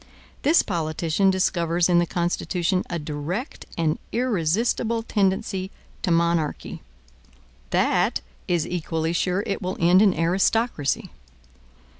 This politician discovers in the Constitution a direct and irresistible tendency to monarchy; that is equally sure it will end in aristocracy.